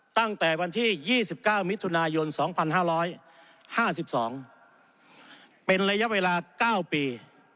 ตั้งแต่วันที่๒๙มิถุนายน๒๕๕๒เป็นระยะเวลา๙ปี